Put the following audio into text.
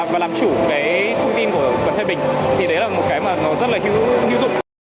và làm chủ cái thông tin của thái bình thì đấy là một cái mà nó rất là hữu dụng